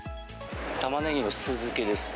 タマネギの酢漬けです。